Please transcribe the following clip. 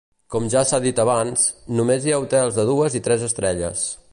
Com ja s'ha dit abans, només hi ha hotels de dues i tres estrelles.